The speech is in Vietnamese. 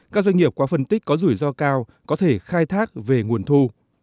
các doanh nghiệp qua phân tích có rủi ro cao có thể khai thác về nguồn thu